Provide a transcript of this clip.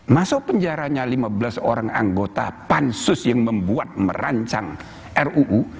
masa penjaranya lima belas orang anggota pansus yang membuat merancang ruu